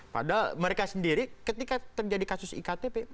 padahal mereka sendiri ketika terjadi kasus iktp